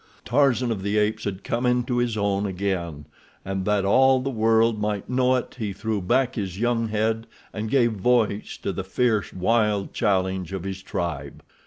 Tarzan of the Apes had come into his own again, and that all the world might know it he threw back his young head, and gave voice to the fierce, wild challenge of his tribe.